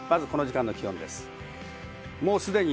この時間の気温です。